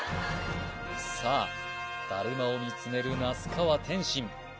さあだるまを見つめる那須川天心